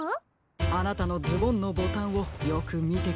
あなたのズボンのボタンをよくみてください。